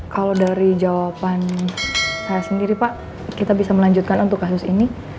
kalau dari jawaban saya sendiri pak kita bisa melanjutkan untuk kasus ini